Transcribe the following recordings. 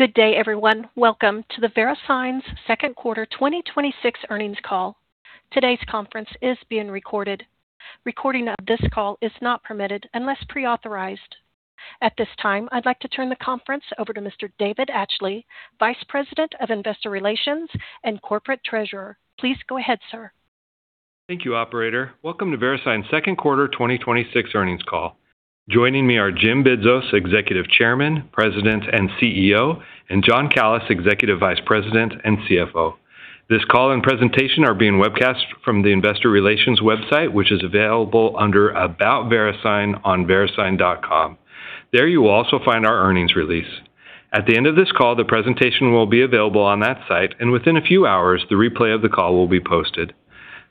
Good day, everyone. Welcome to the VeriSign's second quarter 2026 earnings call. Today's conference is being recorded. Recording of this call is not permitted unless pre-authorized. At this time, I'd like to turn the conference over to Mr. David Atchley, Vice President of Investor Relations and Corporate Treasurer. Please go ahead, sir. Thank you, operator. Welcome to VeriSign's second quarter 2026 earnings call. Joining me are Jim Bidzos, Executive Chairman, President, and CEO, and John Calys, Executive Vice President and CFO. This call and presentation are being webcast from the investor relations website, which is available under About VeriSign on verisign.com. There you will also find our earnings release. At the end of this call, the presentation will be available on that site, and within a few hours, the replay of the call will be posted.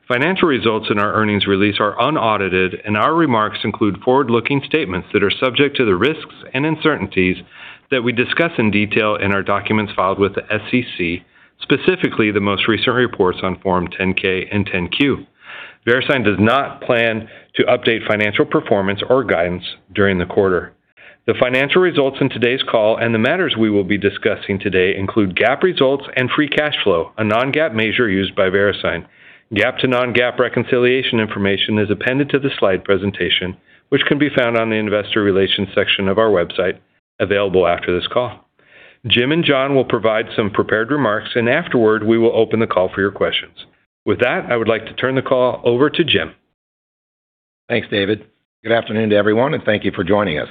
Financial results in our earnings release are unaudited, and our remarks include forward-looking statements that are subject to the risks and uncertainties that we discuss in detail in our documents filed with the SEC, specifically the most recent reports on Form 10-K and 10-Q. VeriSign does not plan to update financial performance or guidance during the quarter. The financial results in today's call and the matters we will be discussing today include GAAP results and free cash flow, a non-GAAP measure used by VeriSign. GAAP to non-GAAP reconciliation information is appended to the slide presentation, which can be found on the investor relations section of our website, available after this call. Jim and John will provide some prepared remarks. Afterward, we will open the call for your questions. With that, I would like to turn the call over to Jim. Thanks, David. Good afternoon to everyone. Thank you for joining us.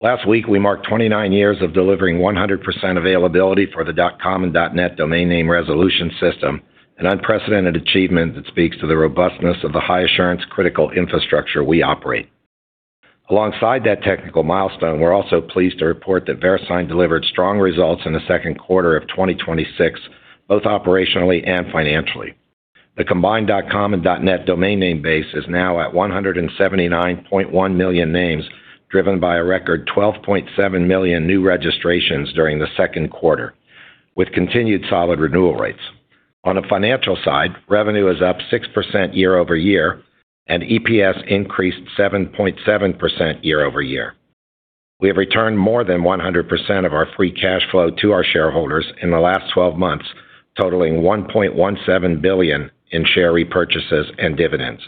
Last week, we marked 29 years of delivering 100% availability for the .com and .net domain name resolution system, an unprecedented achievement that speaks to the robustness of the high-assurance critical infrastructure we operate. Alongside that technical milestone, we're also pleased to report that VeriSign delivered strong results in the second quarter of 2026, both operationally and financially. The combined .com and .net domain name base is now at 179.1 million names, driven by a record 12.7 million new registrations during the second quarter, with continued solid renewal rates. On the financial side, revenue is up 6% year-over-year, and EPS increased 7.7% year-over-year. We have returned more than 100% of our free cash flow to our shareholders in the last 12 months, totaling $1.17 billion in share repurchases and dividends.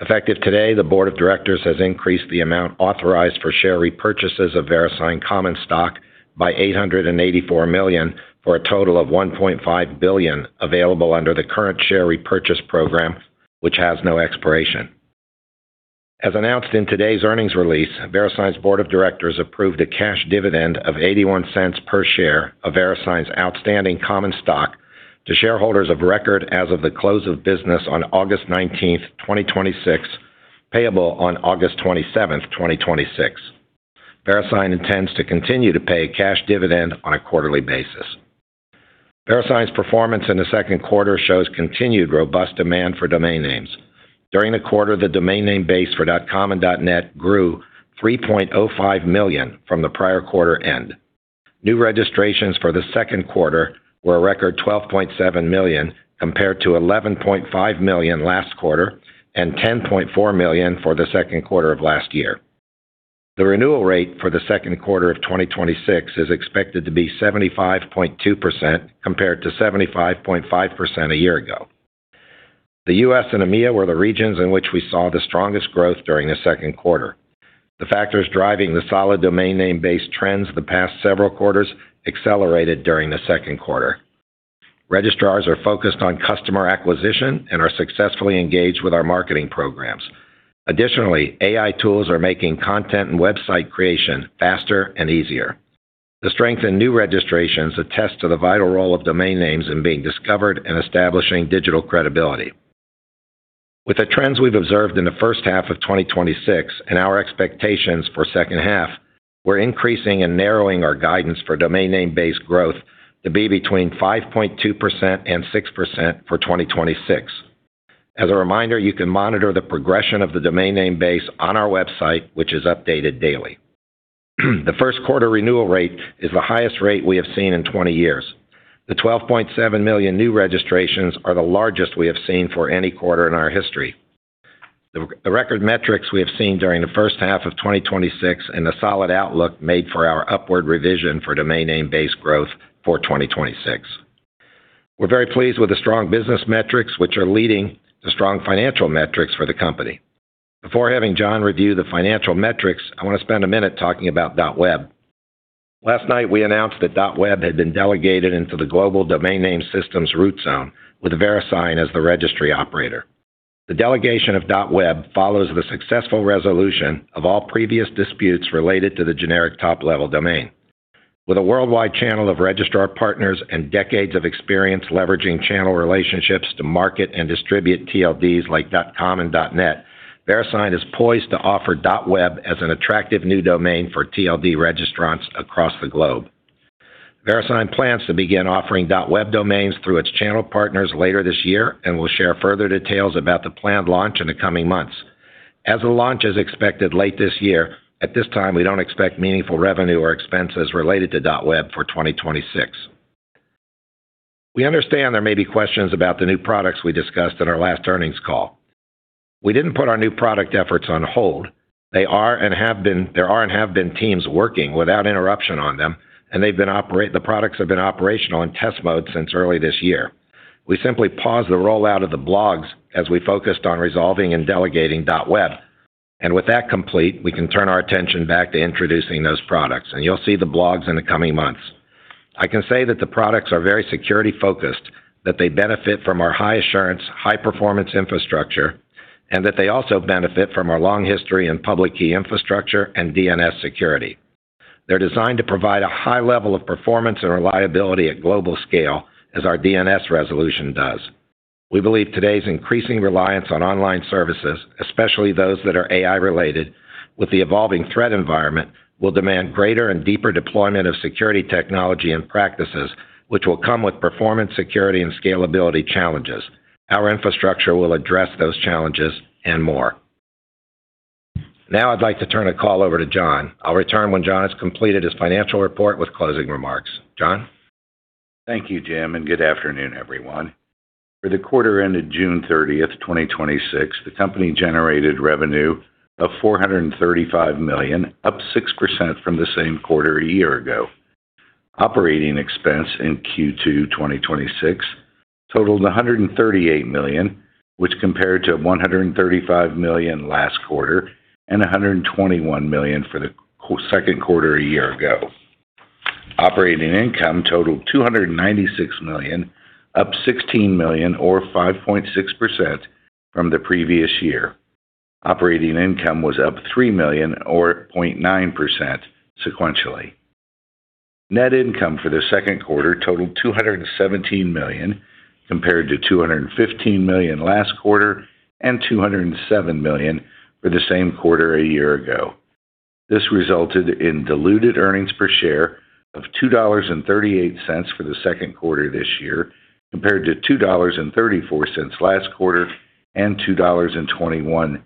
Effective today, the board of directors has increased the amount authorized for share repurchases of VeriSign common stock by $884 million for a total of $1.5 billion available under the current share repurchase program, which has no expiration. As announced in today's earnings release, VeriSign's board of directors approved a cash dividend of $0.81 per share of VeriSign's outstanding common stock to shareholders of record as of the close of business on August 19th, 2026, payable on August 27th, 2026. VeriSign intends to continue to pay cash dividend on a quarterly basis. VeriSign's performance in the second quarter shows continued robust demand for domain names. During the quarter, the domain name base for .com and .net grew $3.05 million from the prior quarter end. New registrations for the second quarter were a record $12.7 million, compared to $11.5 million last quarter and $10.4 million for the second quarter of last year. The renewal rate for the second quarter of 2026 is expected to be 75.2%, compared to 75.5% a year ago. The U.S. and EMEA were the regions in which we saw the strongest growth during the second quarter. The factors driving the solid domain name base trends the past several quarters accelerated during the second quarter. Registrars are focused on customer acquisition and are successfully engaged with our marketing programs. Additionally, AI tools are making content and website creation faster and easier. The strength in new registrations attests to the vital role of domain names in being discovered and establishing digital credibility. With the trends we've observed in the first half of 2026 and our expectations for second half, we're increasing and narrowing our guidance for domain name base growth to be between 5.2% and 6% for 2026. As a reminder, you can monitor the progression of the domain name base on our website, which is updated daily. The first quarter renewal rate is the highest rate we have seen in 20 years. The 12.7 million new registrations are the largest we have seen for any quarter in our history. The record metrics we have seen during the first half of 2026 and the solid outlook made for our upward revision for domain name base growth for 2026. We're very pleased with the strong business metrics, which are leading to strong financial metrics for the company. Before having John review the financial metrics, I want to spend a minute talking about .web. Last night, we announced that .web had been delegated into the global Domain Name System's root zone with VeriSign as the registry operator. The delegation of .web follows the successful resolution of all previous disputes related to the generic top-level domain. With a worldwide channel of registrar partners and decades of experience leveraging channel relationships to market and distribute TLDs like .com and .net, VeriSign is poised to offer .web as an attractive new domain for TLD registrants across the globe. VeriSign plans to begin offering .web domains through its channel partners later this year and will share further details about the planned launch in the coming months. As the launch is expected late this year, at this time, we don't expect meaningful revenue or expenses related to .web for 2026. We understand there may be questions about the new products we discussed in our last earnings call. We didn't put our new product efforts on hold. There are and have been teams working without interruption on them, and the products have been operational in test mode since early this year. We simply paused the rollout of the blogs as we focused on resolving and delegating .web. With that complete, we can turn our attention back to introducing those products, and you'll see the blogs in the coming months. I can say that the products are very security-focused, that they benefit from our high-assurance, high-performance infrastructure, and that they also benefit from our long history in public key infrastructure and DNS security. They're designed to provide a high level of performance and reliability at global scale, as our DNS resolution does. We believe today's increasing reliance on online services, especially those that are AI-related, with the evolving threat environment, will demand greater and deeper deployment of security technology and practices, which will come with performance, security, and scalability challenges. Our infrastructure will address those challenges and more. Now I'd like to turn the call over to John. I'll return when John has completed his financial report with closing remarks. John? Thank you, Jim, and good afternoon, everyone. For the quarter ended June 30th, 2026, the company generated revenue of $435 million, up 6% from the same quarter a year ago. Operating expense in Q2 2026 totaled $138 million, which compared to $135 million last quarter and $121 million for the second quarter a year ago. Operating income totaled $296 million, up $16 million or 5.6% from the previous year. Operating income was up $3 million or 0.9% sequentially. Net income for the second quarter totaled $217 million, compared to $215 million last quarter and $207 million for the same quarter a year ago. This resulted in diluted earnings per share of $2.38 for the second quarter this year, compared to $2.34 last quarter and $2.21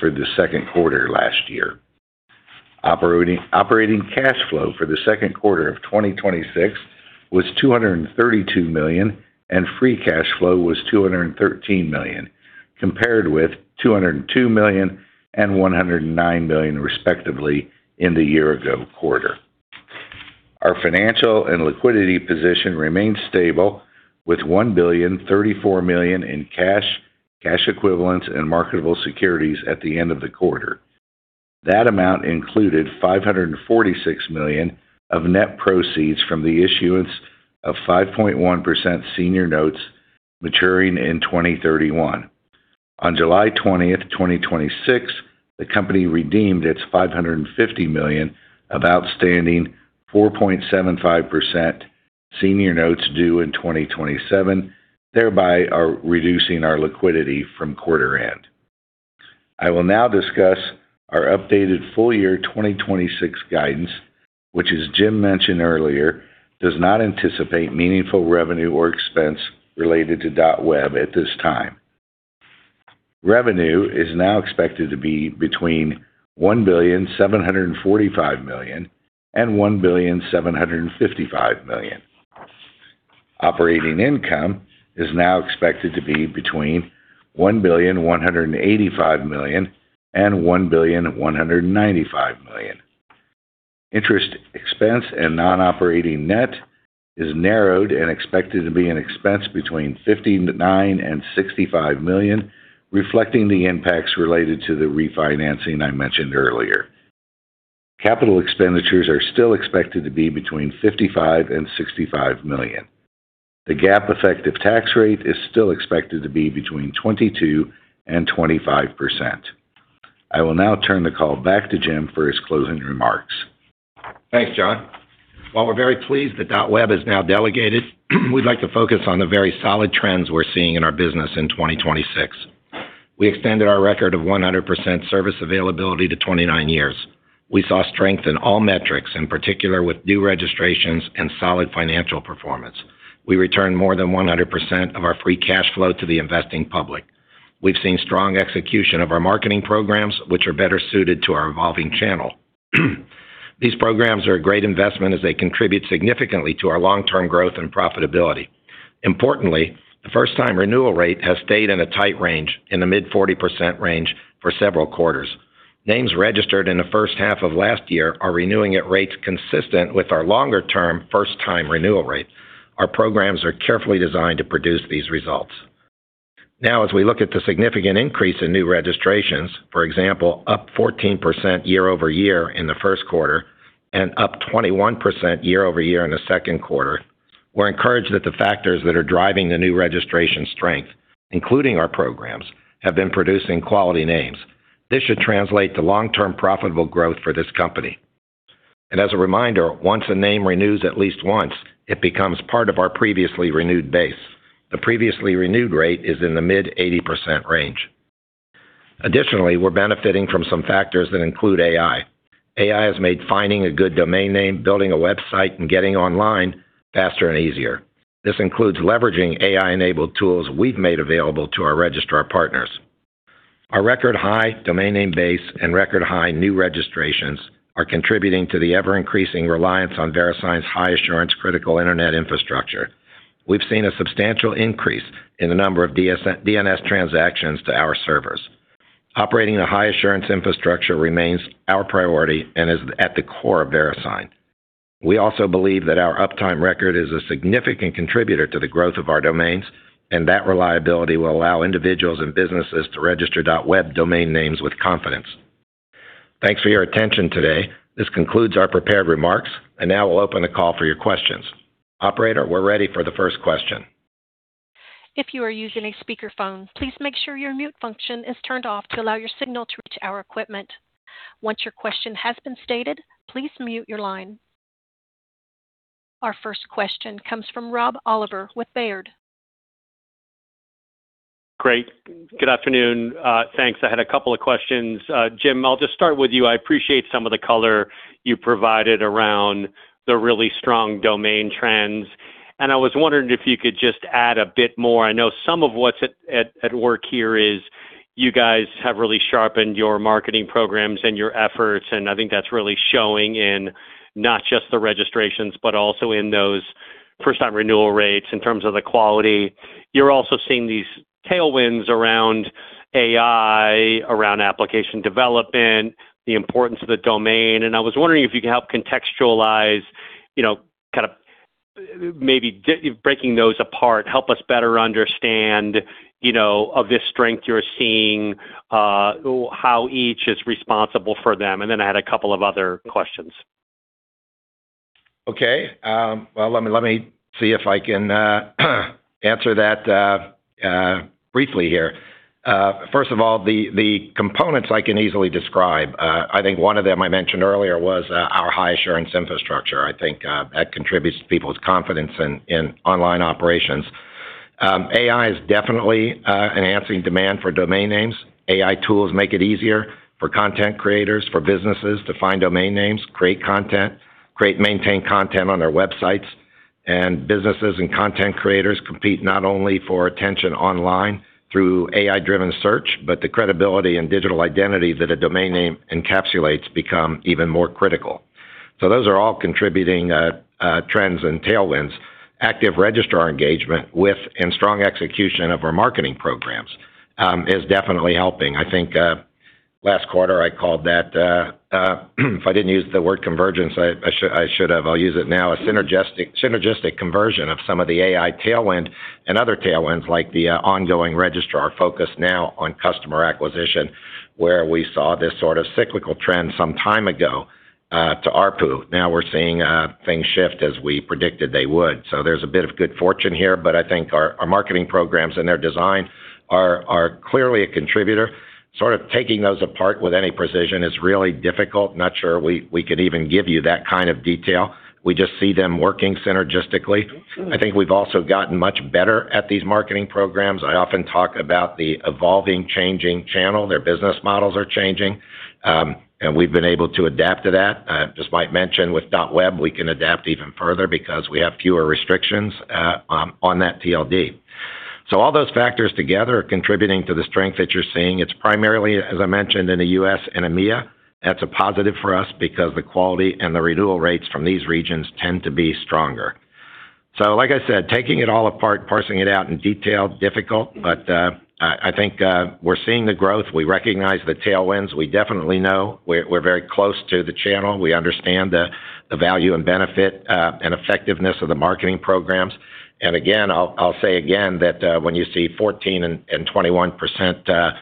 for the second quarter last year. Operating cash flow for the second quarter of 2026 was $232 million, and free cash flow was $213 million, compared with $202 million and $109 million, respectively, in the year-ago quarter. Our financial and liquidity position remains stable with $1,034,000,000 in cash equivalents, and marketable securities at the end of the quarter. That amount included $546 million of net proceeds from the issuance of 5.1% senior notes maturing in 2031. On July 20th, 2026, the company redeemed its $550 million of outstanding 4.75% senior notes due in 2027, thereby reducing our liquidity from quarter end. I will now discuss our updated full-year 2026 guidance, which as Jim mentioned earlier, does not anticipate meaningful revenue or expense related to .web at this time. Revenue is now expected to be between $1,745,000,000 and $1,755,000,000. Operating income is now expected to be between $1,185,000,000 and $1,195,000,000 Interest expense and non-operating net is narrowed and expected to be an expense between $59 million and $65 million, reflecting the impacts related to the refinancing I mentioned earlier. Capital expenditures are still expected to be between $55 million and $65 million. The GAAP effective tax rate is still expected to be between 22% and 25%. I will now turn the call back to Jim for his closing remarks. Thanks, John. While we're very pleased that .web is now delegated, we'd like to focus on the very solid trends we're seeing in our business in 2026. We extended our record of 100% service availability to 29 years. We saw strength in all metrics, in particular with new registrations and solid financial performance. We returned more than 100% of our free cash flow to the investing public. We've seen strong execution of our marketing programs, which are better suited to our evolving channel. These programs are a great investment as they contribute significantly to our long-term growth and profitability. Importantly, the first-time renewal rate has stayed in a tight range, in the mid-40% range for several quarters. Names registered in the first half of last year are renewing at rates consistent with our longer-term first-time renewal rate. Our programs are carefully designed to produce these results. As we look at the significant increase in new registrations, for example, up 14% year-over-year in the first quarter and up 21% year-over-year in the second quarter, we're encouraged that the factors that are driving the new registration strength, including our programs, have been producing quality names. This should translate to long-term profitable growth for this company. As a reminder, once a name renews at least once, it becomes part of our previously renewed base. The previously renewed rate is in the mid-80% range. Additionally, we're benefiting from some factors that include AI. AI has made finding a good domain name, building a website, and getting online faster and easier. This includes leveraging AI-enabled tools we've made available to our registrar partners. Our record-high domain name base and record-high new registrations are contributing to the ever-increasing reliance on VeriSign's high-assurance critical Internet infrastructure. We've seen a substantial increase in the number of DNS transactions to our servers. Operating a high-assurance infrastructure remains our priority and is at the core of VeriSign. We also believe that our uptime record is a significant contributor to the growth of our domains, and that reliability will allow individuals and businesses to register .web domain names with confidence. Thanks for your attention today. This concludes our prepared remarks, now we'll open the call for your questions. Operator, we're ready for the first question. If you are using a speakerphone, please make sure your mute function is turned off to allow your signal to reach our equipment. Once your question has been stated, please mute your line. Our first question comes from Rob Oliver with Baird. Great. Good afternoon. Thanks. I had a couple of questions. Jim, I'll just start with you. I appreciate some of the color you provided around the really strong domain trends. I was wondering if you could just add a bit more. I know some of what's at work here is you guys have really sharpened your marketing programs and your efforts. I think that's really showing in not just the registrations, but also in those first-time renewal rates in terms of the quality. You're also seeing these tailwinds around AI, around application development, the importance of the domain. I was wondering if you could help contextualize, maybe breaking those apart, help us better understand of this strength you're seeing, how each is responsible for them. I had a couple of other questions. Okay. Well, let me see if I can answer that briefly here. First of all, the components I can easily describe. I think one of them I mentioned earlier was our high-assurance infrastructure. I think that contributes to people's confidence in online operations. AI is definitely enhancing demand for domain names. AI tools make it easier for content creators, for businesses to find domain names, create content, create and maintain content on their websites. Businesses and content creators compete not only for attention online through AI-driven search, but the credibility and digital identity that a domain name encapsulates become even more critical. Those are all contributing trends and tailwinds. Active registrar engagement with and strong execution of our marketing programs is definitely helping. I think last quarter I called that, if I didn't use the word convergence, I should have. I'll use it now. A synergistic conversion of some of the AI tailwind and other tailwinds, like the ongoing registrar focus now on customer acquisition, where we saw this sort of cyclical trend some time ago to ARPU. We're seeing things shift as we predicted they would. There's a bit of good fortune here, but I think our marketing programs and their design are clearly a contributor. Sort of taking those apart with any precision is really difficult. Not sure we could even give you that kind of detail. We just see them working synergistically. I think we've also gotten much better at these marketing programs. I often talk about the evolving, changing channel. Their business models are changing. We've been able to adapt to that. As Mike mentioned, with .web, we can adapt even further because we have fewer restrictions on that TLD. All those factors together are contributing to the strength that you're seeing. It's primarily, as I mentioned, in the U.S. and EMEA. That's a positive for us because the quality and the renewal rates from these regions tend to be stronger. Like I said, taking it all apart, parsing it out in detail, difficult, but I think we're seeing the growth. We recognize the tailwinds. We definitely know we're very close to the channel. We understand the value and benefit and effectiveness of the marketing programs. Again, I'll say again that when you see 14% and 21%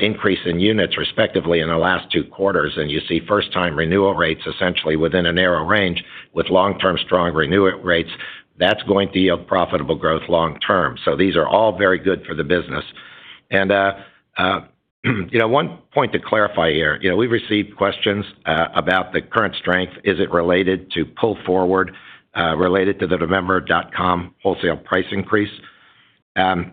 increase in units respectively in the last two quarters, and you see first-time renewal rates essentially within a narrow range with long-term strong renewal rates, that's going to yield profitable growth long term. These are all very good for the business. One point to clarify here. We've received questions about the current strength. Is it related to pull forward, related to the November .com wholesale price increase? I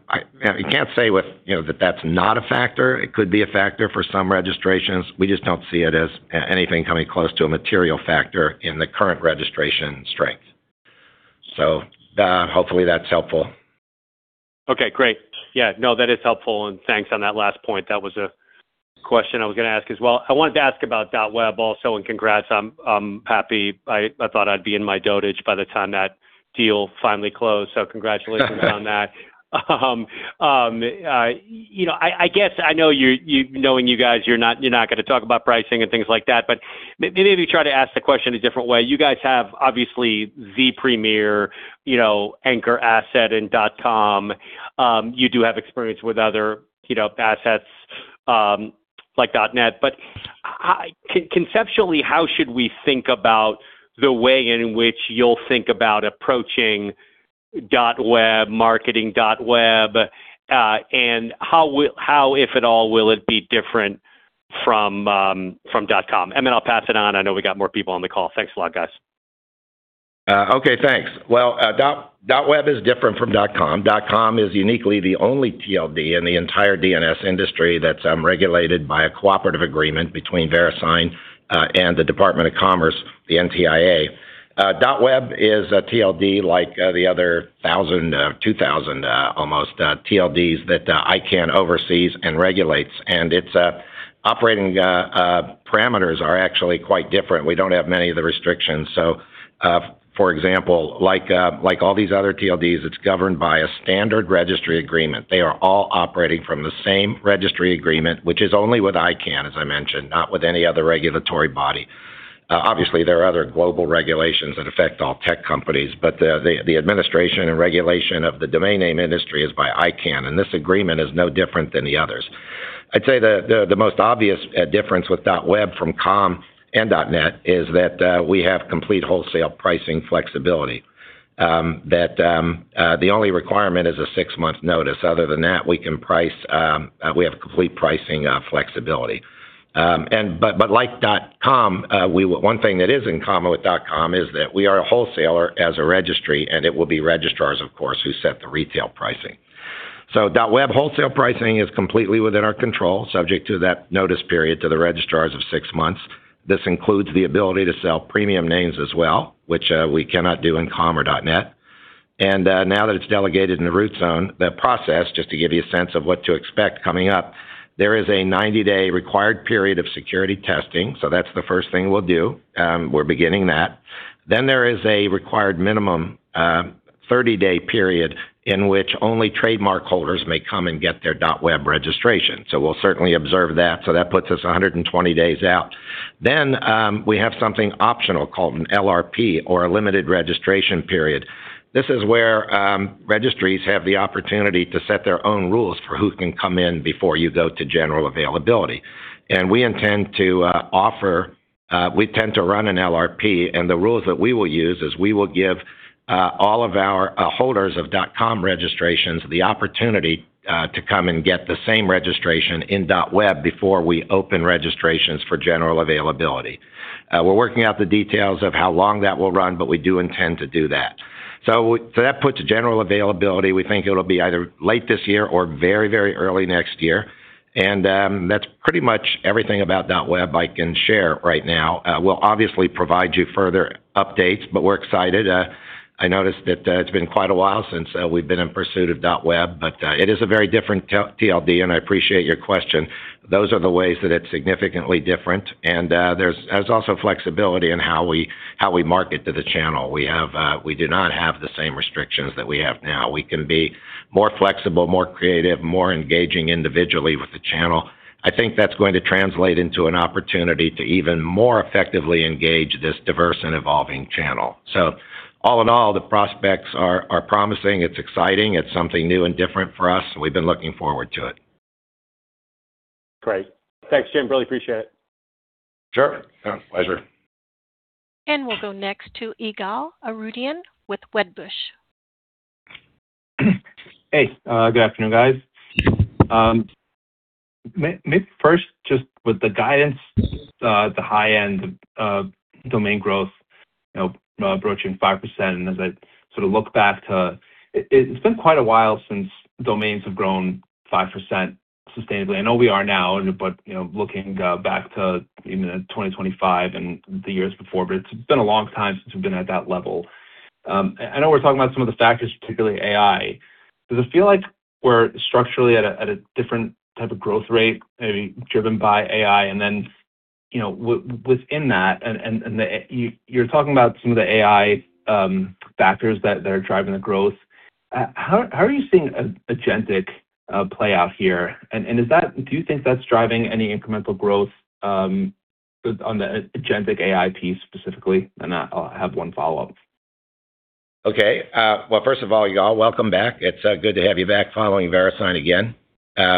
can't say that that's not a factor. It could be a factor for some registrations. We just don't see it as anything coming close to a material factor in the current registration strength. Hopefully that's helpful. Okay, great. Yeah, no, that is helpful, and thanks on that last point. That was a question I was going to ask as well. I wanted to ask about .web also, and congrats. I'm happy. I thought I'd be in my dotage by the time that deal finally closed, so congratulations on that. I guess, knowing you guys, you're not going to talk about pricing and things like that, but maybe if you try to ask the question a different way. You guys have obviously the premier anchor asset in .com. You do have experience with other assets like .net. Conceptually, how should we think about the way in which you'll think about approaching .web, marketing .web, and how, if at all, will it be different from .com? Then I'll pass it on. I know we got more people on the call. Thanks a lot, guys. Okay, thanks. Well, .web is different from .com. .com is uniquely the only TLD in the entire DNS industry that's regulated by a cooperative agreement between VeriSign and the Department of Commerce, the NTIA. .web is a TLD like the other 2,000 almost TLDs that ICANN oversees and regulates, and its operating parameters are actually quite different. We don't have many of the restrictions. For example, like all these other TLDs, it's governed by a standard registry agreement. They are all operating from the same registry agreement, which is only with ICANN, as I mentioned, not with any other regulatory body. Obviously, there are other global regulations that affect all tech companies, but the administration and regulation of the domain name industry is by ICANN, and this agreement is no different than the others. I'd say the most obvious difference with .web from .com and .net is that we have complete wholesale pricing flexibility. The only requirement is a 6-month notice. Other than that, we have complete pricing flexibility. One thing that is in common with .com is that we are a wholesaler as a registry, and it will be registrars, of course, who set the retail pricing. .web wholesale pricing is completely within our control, subject to that notice period to the registrars of six months. This includes the ability to sell premium names as well, which we cannot do in .com or .net. Now that it's delegated in the root zone, the process, just to give you a sense of what to expect coming up, there is a 90-day required period of security testing. That's the first thing we'll do. We're beginning that. There is a required minimum 30-day period in which only trademark holders may come and get their .web registration. We'll certainly observe that. That puts us 120 days out. We have something optional called an LRP or a limited registration period. This is where registries have the opportunity to set their own rules for who can come in before you go to general availability. We intend to run an LRP, and the rules that we will use is we will give all of our holders of .com registrations the opportunity to come and get the same registration in .web before we open registrations for general availability. We're working out the details of how long that will run, but we do intend to do that. That puts general availability. We think it'll be either late this year or very early next year. That's pretty much everything about .web I can share right now. We'll obviously provide you further updates. We're excited. I noticed that it's been quite a while since we've been in pursuit of .web. It is a very different TLD, and I appreciate your question. Those are the ways that it's significantly different. There's also flexibility in how we market to the channel. We do not have the same restrictions that we have now. We can be more flexible, more creative, more engaging individually with the channel. I think that's going to translate into an opportunity to even more effectively engage this diverse and evolving channel. All in all, the prospects are promising. It's exciting. It's something new and different for us, and we've been looking forward to it. Great. Thanks, Jim. Really appreciate it. Sure. Pleasure. We'll go next to Ygal Arounian with Wedbush. Hey, good afternoon, guys. Maybe first, just with the guidance, the high end of domain growth approaching 5%. As I sort of look back to, it's been quite a while since domains have grown 5% sustainably. I know we are now, but looking back to even 2025 and the years before, but it's been a long time since we've been at that level. I know we're talking about some of the factors, particularly AI. Does it feel like we're structurally at a different type of growth rate, maybe driven by AI? Then within that, and you're talking about some of the AI factors that are driving the growth. How are you seeing agentic play out here? Do you think that's driving any incremental growth on the agentic AI piece specifically? I'll have one follow-up. Okay. Well, first of all, Ygal, welcome back. It's good to have you back following VeriSign again.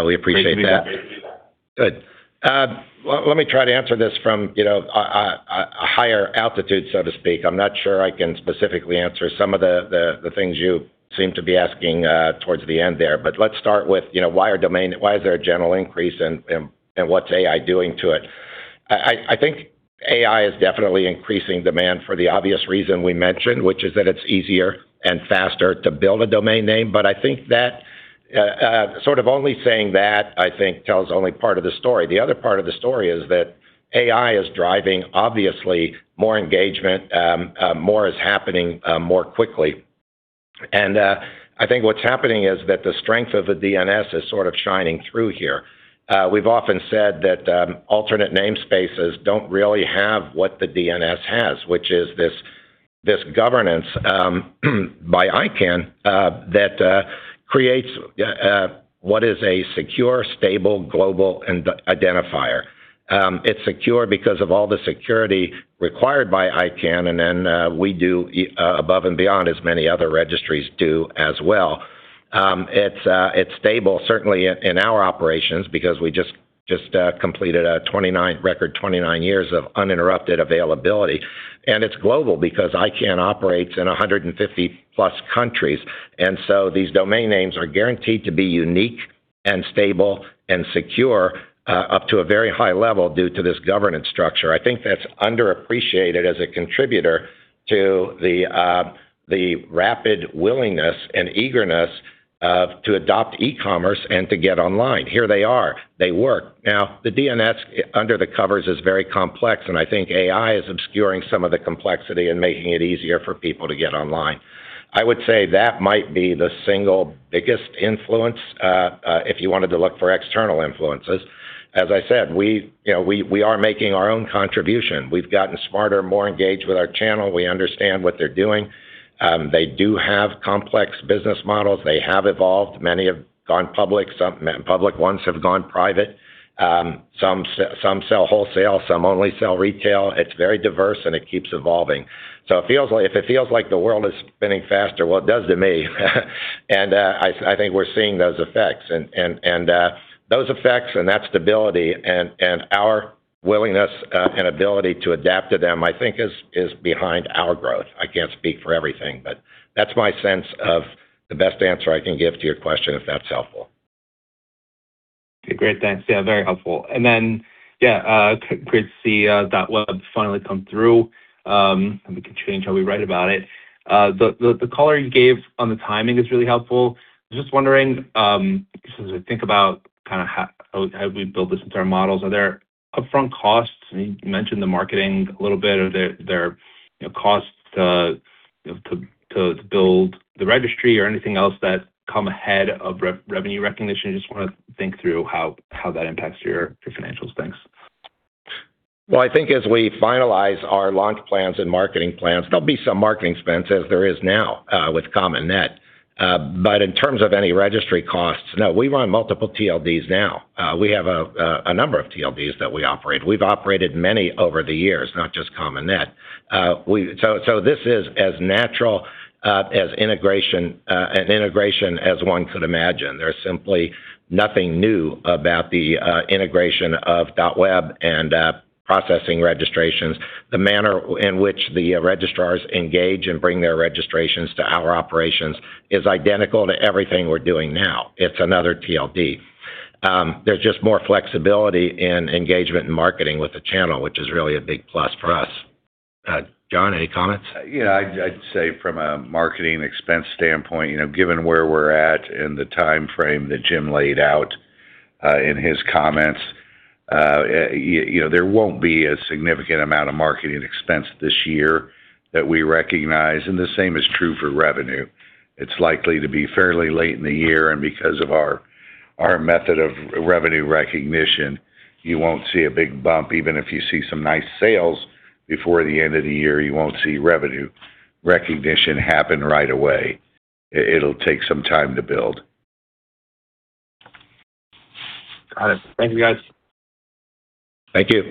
We appreciate that. Great to be back. Good. Let me try to answer this from a higher altitude, so to speak. I'm not sure I can specifically answer some of the things you seem to be asking towards the end there, let's start with why is there a general increase and what's AI doing to it? I think AI is definitely increasing demand for the obvious reason we mentioned, which is that it's easier and faster to build a domain name. I think that sort of only saying that, I think tells only part of the story. The other part of the story is that AI is driving, obviously, more engagement, more is happening more quickly. I think what's happening is that the strength of the DNS is sort of shining through here. We've often said that alternate namespaces don't really have what the DNS has, which is this governance by ICANN that creates what is a secure, stable, global identifier. It's secure because of all the security required by ICANN, then we do above and beyond as many other registries do as well. It's stable, certainly in our operations because we just completed a record 29 years of uninterrupted availability. It's global because ICANN operates in 150+ countries. These domain names are guaranteed to be unique and stable and secure up to a very high level due to this governance structure. I think that's underappreciated as a contributor to the rapid willingness and eagerness to adopt e-commerce and to get online. Here they are. They work. Now, the DNS under the covers is very complex, I think AI is obscuring some of the complexity and making it easier for people to get online. I would say that might be the single biggest influence, if you wanted to look for external influences. As I said, we are making our own contribution. We've gotten smarter, more engaged with our channel. We understand what they're doing. They do have complex business models. They have evolved. Many have gone public. Some public ones have gone private. Some sell wholesale, some only sell retail. It's very diverse and it keeps evolving. If it feels like the world is spinning faster, well, it does to me. I think we're seeing those effects. Those effects and that stability and our willingness and ability to adapt to them, I think is behind our growth. I can't speak for everything, but that's my sense of the best answer I can give to your question, if that's helpful. Okay, great. Thanks. Yeah, very helpful. Great to see .web finally come through. We can change how we write about it. The color you gave on the timing is really helpful. Just wondering, as we think about how we build this into our models, are there upfront costs? You mentioned the marketing a little bit. Are there costs to build the registry or anything else that come ahead of revenue recognition? Just want to think through how that impacts your financial stance. Well, I think as we finalize our launch plans and marketing plans, there'll be some marketing expense as there is now with .com and .net. In terms of any registry costs, no. We run multiple TLDs now. We have a number of TLDs that we operate. We've operated many over the years, not just .com and .net. This is as natural an integration as one could imagine. There's simply nothing new about the integration of .web and processing registrations. The manner in which the registrars engage and bring their registrations to our operations is identical to everything we're doing now. It's another TLD. There's just more flexibility in engagement and marketing with the channel, which is really a big plus for us. John, any comments? Yeah, I'd say from a marketing expense standpoint, given where we're at and the timeframe that Jim laid out in his comments, there won't be a significant amount of marketing expense this year that we recognize, and the same is true for revenue. It's likely to be fairly late in the year, because of our method of revenue recognition, you won't see a big bump. Even if you see some nice sales before the end of the year, you won't see revenue recognition happen right away. It'll take some time to build. Got it. Thank you, guys. Thank you.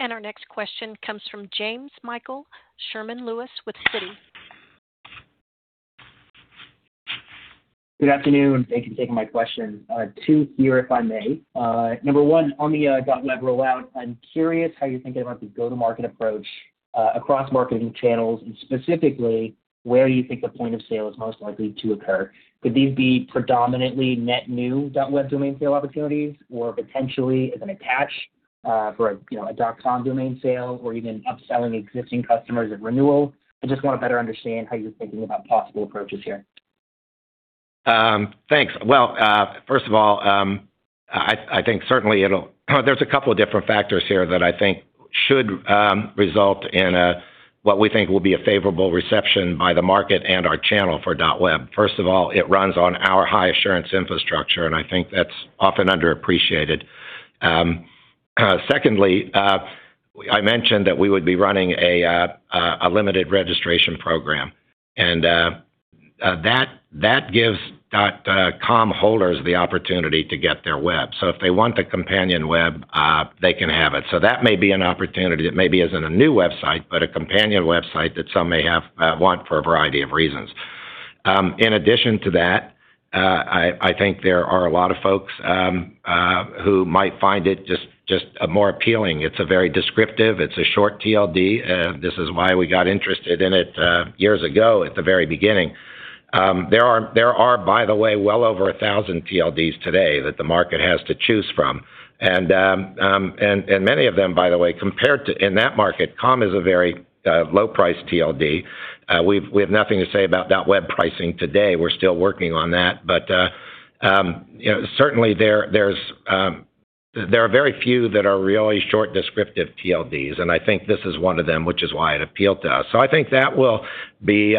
Our next question comes from Jamesmichael Sherman-Lewis with Citi. Good afternoon. Thank you for taking my question. Two here, if I may. Number one, on the .web rollout, I'm curious how you're thinking about the go-to-market approach, across marketing channels, and specifically, where you think the point of sale is most likely to occur. Could these be predominantly net new .web domain sale opportunities or potentially as an attach for a .com domain sale or even upselling existing customers at renewal? I just want to better understand how you're thinking about possible approaches here. Thanks. First of all, I think certainly there are a couple of different factors here that I think should result in what we think will be a favorable reception by the market and our channel for .web. First of all, it runs on our high assurance infrastructure. I think that's often underappreciated. Secondly, I mentioned that we would be running a limited registration program. That gives .com holders the opportunity to get their .web. If they want the companion .web, they can have it. That may be an opportunity. It may be as in a new website, a companion website that some may want for a variety of reasons. In addition to that, I think there are a lot of folks who might find it just more appealing. It's very descriptive. It's a short TLD. This is why we got interested in it years ago at the very beginning. There are, by the way, well over 1,000 TLDs today that the market has to choose from. Many of them, by the way, compared to in that market, .com is a very low-priced TLD. We have nothing to say about .web pricing today. We're still working on that. Certainly there are very few that are really short, descriptive TLDs. I think this is one of them, which is why it appealed to us. I think that will be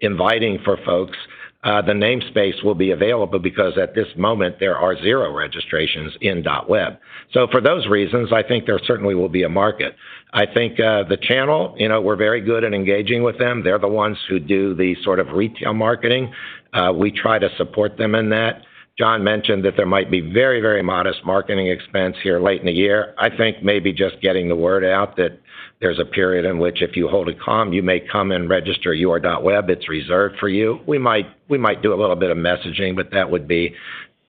inviting for folks. The namespace will be available because at this moment, there are zero registrations in .web. For those reasons, I think there certainly will be a market. I think the channel, we're very good at engaging with them. They're the ones who do the sort of retail marketing. We try to support them in that. John mentioned that there might be very modest marketing expense here late in the year. I think maybe just getting the word out that there's a period in which if you hold a .com, you may come and register your .web. It's reserved for you. We might do a little bit of messaging. That would be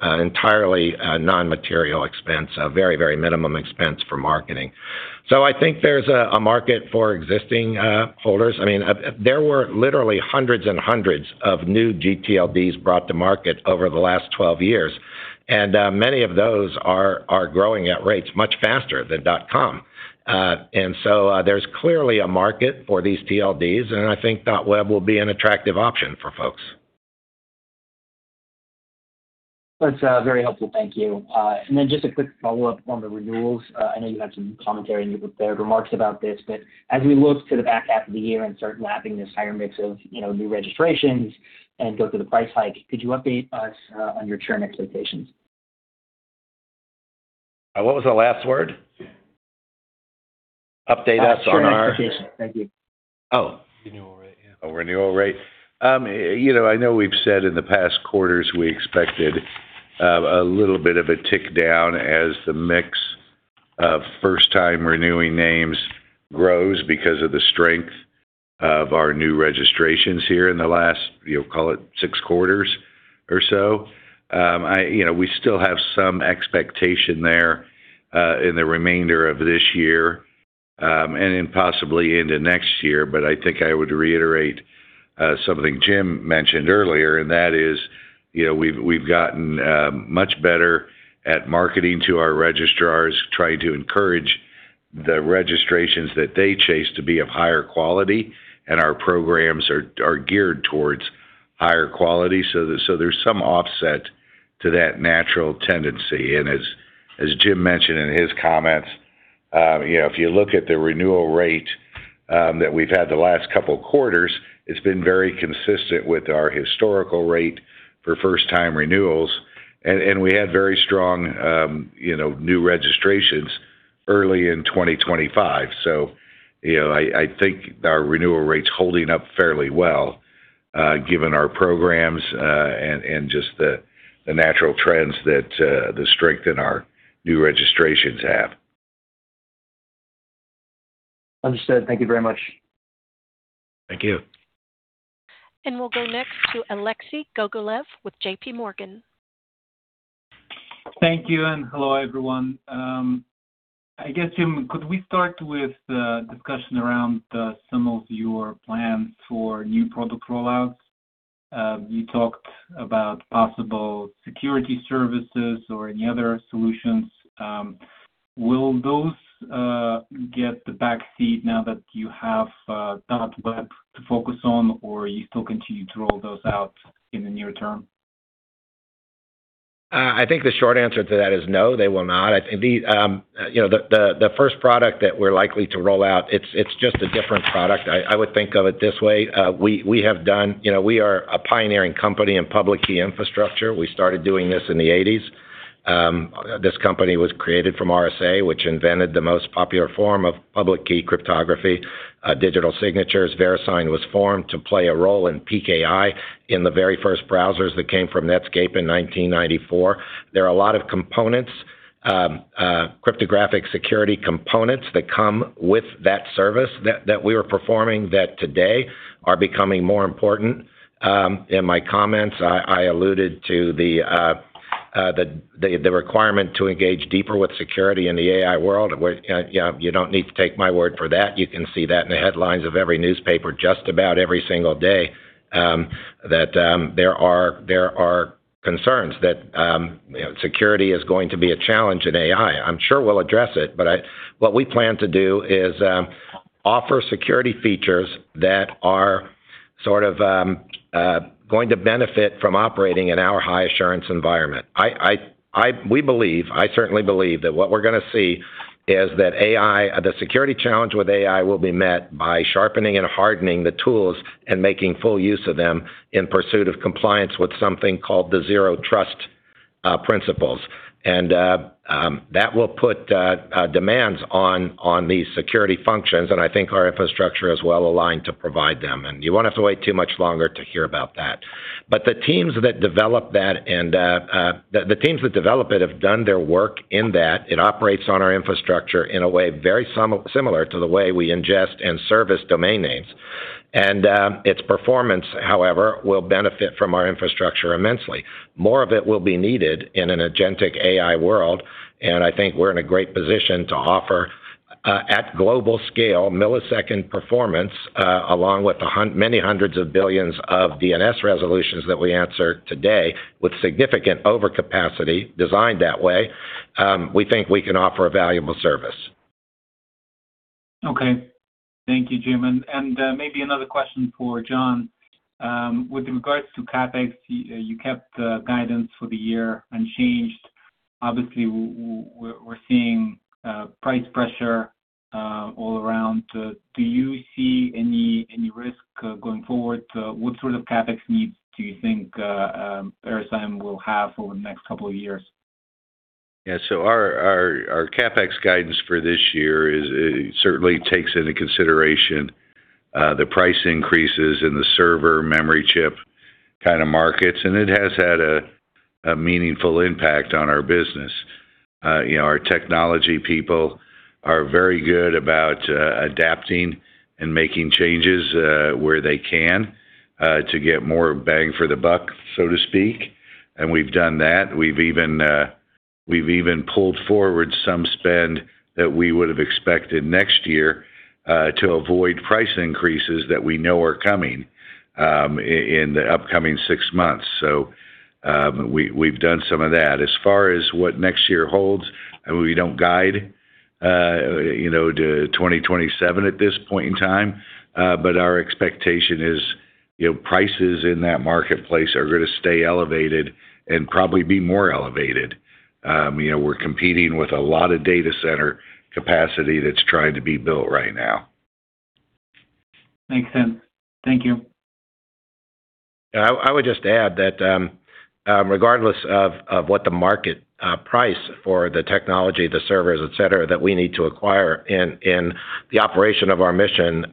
an entirely non-material expense, a very minimum expense for marketing. I think there's a market for existing holders. There were literally hundreds and hundreds of new gTLDs brought to market over the last 12 years. Many of those are growing at rates much faster than .com. There's clearly a market for these TLDs. I think .web will be an attractive option for folks. That's very helpful. Thank you. Just a quick follow-up on the renewals. I know you had some commentary in your prepared remarks about this. As we look to the back half of the year, start lapping this higher mix of new registrations, go through the price hike, could you update us on your churn expectations? What was the last word? Update us on our- Churn expectations. Thank you. Oh. Renewal rate, yeah. Renewal rate. I know we've said in the past quarters we expected a little bit of a tick down as the mix of first-time renewing names grows because of the strength of our new registrations here in the last, call it six quarters or so. We still have some expectation there in the remainder of this year, then possibly into next year. I think I would reiterate something Jim mentioned earlier, and that is, we've gotten much better at marketing to our registrars, trying to encourage the registrations that they chase to be of higher quality, and our programs are geared towards higher quality. There's some offset to that natural tendency. As Jim mentioned in his comments, if you look at the renewal rate that we've had the last couple quarters, it's been very consistent with our historical rate for first-time renewals. We had very strong new registrations early in 2025. I think our renewal rate's holding up fairly well, given our programs, and just the natural trends, the strength in our new registrations have. Understood. Thank you very much. Thank you. We'll go next to Alexei Gogolev with JPMorgan. Thank you, and hello, everyone. I guess, Jim, could we start with a discussion around some of your plans for new product roll-outs? You talked about possible security services or any other solutions. Will those get the back seat now that you have .web to focus on, or you still continue to roll those out in the near term? I think the short answer to that is no, they will not. The first product that we're likely to roll out, it's just a different product. I would think of it this way. We are a pioneering company in public key infrastructure. We started doing this in the 1980s. This company was created from RSA, which invented the most popular form of public key cryptography, digital signatures. VeriSign was formed to play a role in PKI in the very first browsers that came from Netscape in 1994. There are a lot of cryptographic security components that come with that service that we were performing that today are becoming more important. In my comments, I alluded to the requirement to engage deeper with security in the AI world, where you don't need to take my word for that. You can see that in the headlines of every newspaper just about every single day, that there are concerns that security is going to be a challenge in AI. But what we plan to do is offer security features that are going to benefit from operating in our high assurance environment. We believe, I certainly believe, that what we're going to see is that the security challenge with AI will be met by sharpening and hardening the tools and making full use of them in pursuit of compliance with something called the zero trust principles. And that will put demands on these security functions, and I think our infrastructure is well-aligned to provide them. And you won't have to wait too much longer to hear about that. But the teams that develop it have done their work in that. It operates on our infrastructure in a way very similar to the way we ingest and service domain names. And its performance, however, will benefit from our infrastructure immensely. More of it will be needed in an agentic AI world, and I think we're in a great position to offer, at global scale, millisecond performance, along with the many hundreds of billions of DNS resolutions that we answer today with significant overcapacity designed that way. We think we can offer a valuable service. Okay. Thank you, Jim. Maybe another question for John. With regards to CapEx, you kept the guidance for the year unchanged. Obviously, we're seeing price pressure all around. Do you see any risk going forward? What sort of CapEx needs do you think VeriSign will have over the next couple of years? Yeah. Our CapEx guidance for this year certainly takes into consideration the price increases in the server memory chip kind of markets, and it has had a meaningful impact on our business. Our technology people are very good about adapting and making changes where they can, to get more bang for the buck, so to speak. We've done that. We've even pulled forward some spend that we would have expected next year to avoid price increases that we know are coming in the upcoming six months. We've done some of that. As far as what next year holds, we don't guide to 2027 at this point in time. Our expectation is prices in that marketplace are going to stay elevated and probably be more elevated. We're competing with a lot of data center capacity that's trying to be built right now. Makes sense. Thank you. I would just add that, regardless of what the market price for the technology, the servers, et cetera, that we need to acquire in the operation of our mission,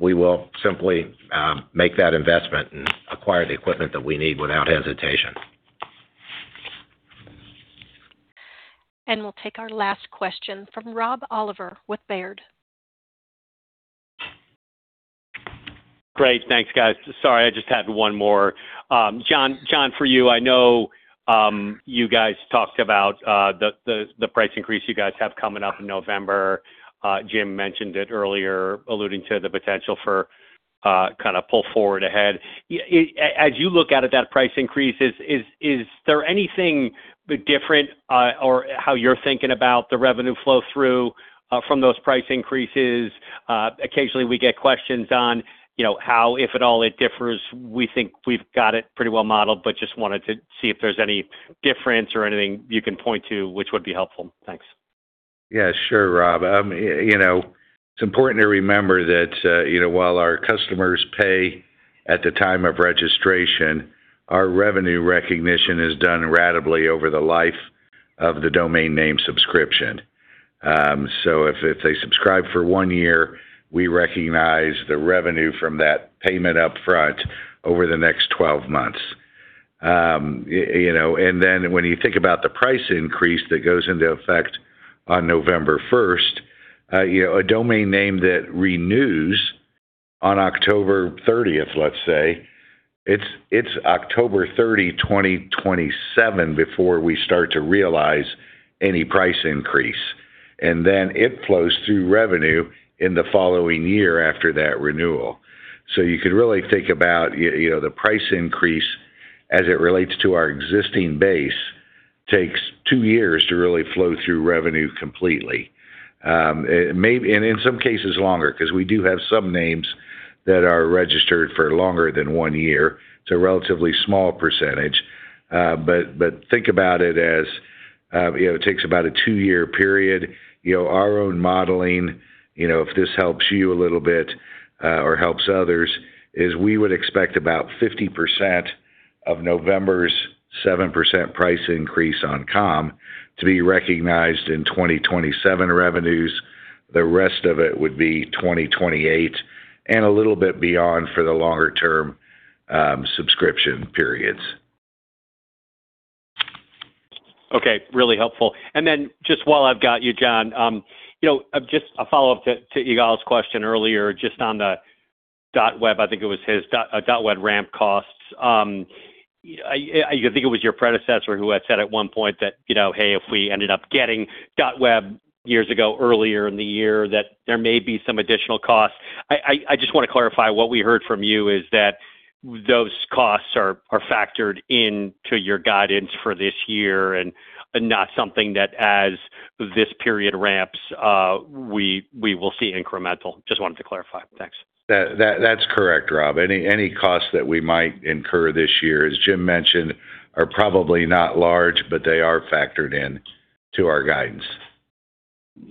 we will simply make that investment and acquire the equipment that we need without hesitation. We'll take our last question from Rob Oliver with Baird. Great. Thanks, guys. Sorry, I just had one more. John, for you, I know you guys talked about the price increase you guys have coming up in November. Jim mentioned it earlier, alluding to the potential for kind of pull-forward ahead. As you look out at that price increase, is there anything different or how you're thinking about the revenue flow-through from those price increases? Occasionally we get questions on how, if at all, it differs. We think we've got it pretty well modeled, but just wanted to see if there's any difference or anything you can point to, which would be helpful. Thanks. Yeah, sure, Rob. It's important to remember that, while our customers pay at the time of registration, our revenue recognition is done ratably over the life of the domain name subscription. If they subscribe for one year, we recognize the revenue from that payment up front over the next 12 months. When you think about the price increase that goes into effect on November 1st, a domain name that renews on October 30th, let's say, it's October 30, 2027, before we start to realize any price increase. It flows through revenue in the following year after that renewal. You could really think about the price increase as it relates to our existing base takes two years to really flow through revenue completely. In some cases longer, because we do have some names that are registered for longer than one year. It's a relatively small percentage. Think about it as it takes about a two-year period. Our own modeling, if this helps you a little bit, or helps others, is we would expect about 50% of November's 7% price increase on .com to be recognized in 2027 revenues. The rest of it would be 2028 and a little bit beyond for the longer-term subscription periods. Okay, really helpful. Just while I've got you, John, just a follow-up to Ygal's question earlier, just on the .web, I think it was his .web ramp costs. I think it was your predecessor who had said at one point that, hey, if we ended up getting .web years ago, earlier in the year, that there may be some additional costs. I just want to clarify, what we heard from you is that those costs are factored into your guidance for this year and not something that as this period ramps, we will see incremental. Just wanted to clarify. Thanks. That's correct, Rob. Any costs that we might incur this year, as Jim mentioned, are probably not large, but they are factored in to our guidance.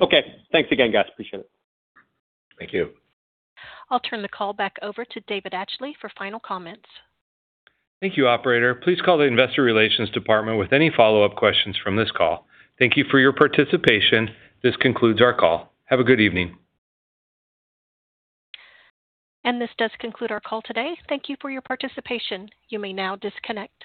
Okay. Thanks again, guys. Appreciate it. Thank you. I'll turn the call back over to David Atchley for final comments. Thank you, operator. Please call the investor relations department with any follow-up questions from this call. Thank you for your participation. This concludes our call. Have a good evening. This does conclude our call today. Thank you for your participation. You may now disconnect.